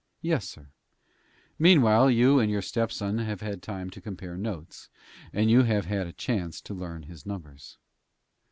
"Yes, sir." "Meanwhile, you and your stepson have had time to compare notes, and you have had a chance to learn his numbers."